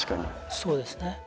そうですね